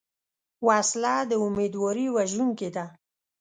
وسله د امیدواري وژونکې ده